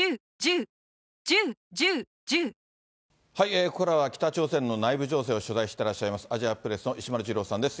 ここからは北朝鮮の内部情勢を取材してらっしゃいます、アジアプレスの石丸次郎さんです。